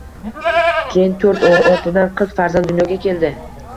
Keyin to`rt o`g`il ortidan qiz farzand dunyoga keldi